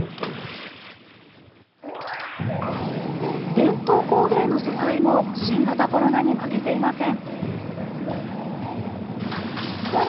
伝統工芸の世界も新型コロナに負けていません！